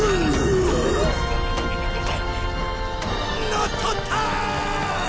乗っ取ったー！